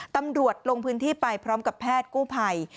ตำรวจลงพื้นที่ไปพร้อมกับแพทย์กู้ภัย